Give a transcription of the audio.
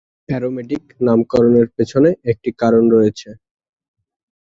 Aromatic নামকরনের পেছনে একটি কারণ রয়েছে।